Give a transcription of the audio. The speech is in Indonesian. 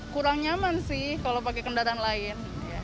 kurang nyaman sih kalau pakai kendaraan lain